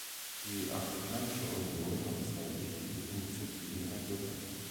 Die Afrikanische Union hat zwei wichtige Initiativen ergriffen.